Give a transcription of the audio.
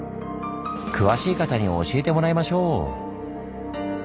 詳しい方に教えてもらいましょう！